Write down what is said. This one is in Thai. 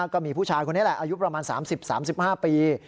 ก็มีผู้ชายคนนี้แหละอายุประมาณ๓๐๓๕ปี